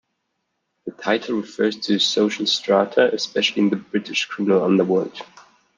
The title refers to the social strata, especially in the British criminal underworld.